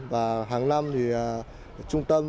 và hàng năm thì trung tâm